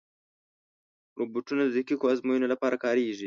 روبوټونه د دقیقو ازموینو لپاره کارېږي.